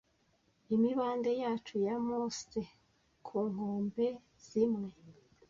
imibande yacu ya mose ku nkombe zimwe